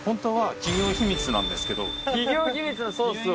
企業秘密のソースを！